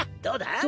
どうだ？